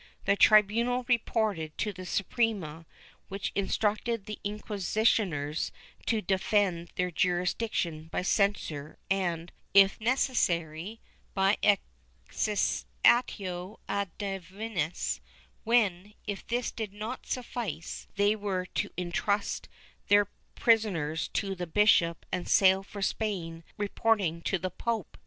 The tribunal reported to the Suprema which instructed the inquisitors to defend their jurisdiction by censures and, if necessary, by a cessatio a divinis, when, if this did not suffice, they were to entrust their prisoners to the bishop and sail for Spain, reporting to the pope.